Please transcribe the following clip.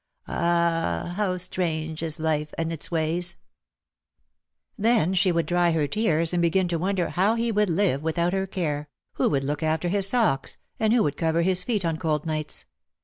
Ah, how strange is life and its ways !" Then she would dry her tears and begin to wonder how he would live without her care, who OUT OF THE SHADOW 23 would look after his socks, and who would cover his feet on cold nights.